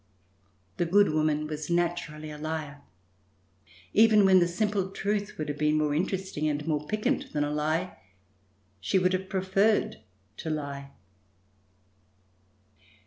The good woman was naturally a liar. Even when the simple truth would have been more interesting and more piquant than a lie, she would have preferred to lie.